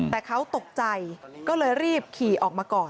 แต่เขาตกใจก็เลยรีบขี่ออกมาก่อน